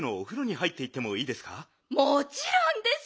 もちろんです。